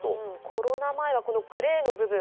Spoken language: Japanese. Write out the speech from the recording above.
コロナ前はこのグレーの部分、